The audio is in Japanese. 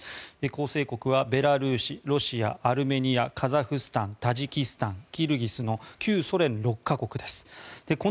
構成国はベラルーシロシア、アルメニアカザフスタン、タジキスタンキルギスの旧ソ連６か国です。